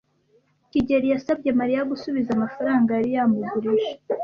kigeli yasabye Mariya gusubiza amafaranga yari yamugurije.